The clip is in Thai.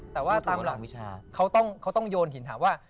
แต่ว่าตามหลังเขาต้องโยนถึงถามว่า